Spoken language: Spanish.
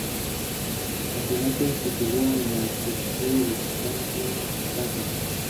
Está basada en la novela homónima de Almudena Grandes.